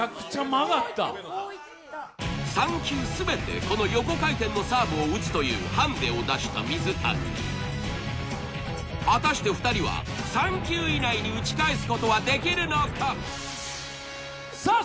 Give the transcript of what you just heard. こういってこういった３球全てこの横回転のサーブを打つというハンデを出した水谷果たして２人は３球以内に打ち返すことはできるのかさあ